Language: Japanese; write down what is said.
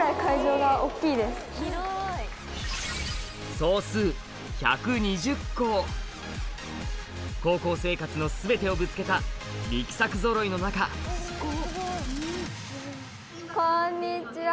総数高校生活の全てをぶつけた力作ぞろいの中こんにちは！